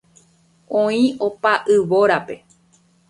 Oĩ opa yvórape.